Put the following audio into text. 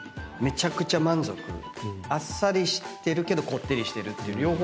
あっさりしてるけどこってりしてるって両方ある。